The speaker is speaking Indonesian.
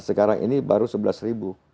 sekarang ini baru sebelas ribu